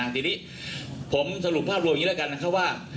ทีนี้ผมสรุปภาพรวมอย่างนี้แล้วกันนะครับว่า